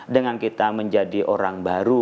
dengan kita menjadi orang baru